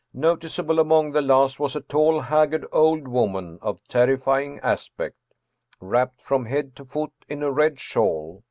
Noticeable among the last was a tall, haggard old woman of terrifying aspect, wrapped from head to foot in a red shawl.